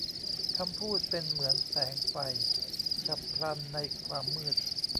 คำพูดเป็นเหมือนแสงไฟฉับพลันในความมืด